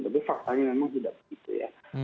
tapi faktanya memang tidak begitu ya